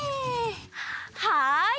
はい！